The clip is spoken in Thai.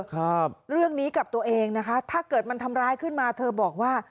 ครับเรื่องนี้กับตัวเองนะคะถ้าเกิดมันทำร้ายขึ้นมาเธอบอกว่า